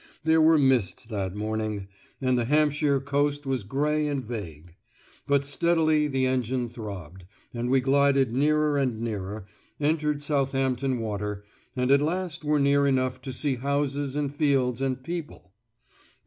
There were mists that morning, and the Hampshire coast was grey and vague; but steadily the engine throbbed, and we glided nearer and nearer, entered Southampton Water, and at last were near enough to see houses and fields and people.